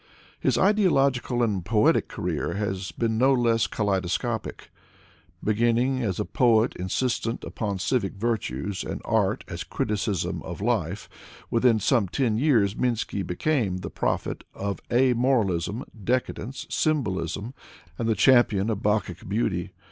His ideological and poetic career has been no less kaleido scopic. Beginning as a poet insistent upon civic virtues and art as criticism of life, within some ten years Minsky became the prophet of a moralism, decadence, symbolism, and the champion of Bacchic beauty.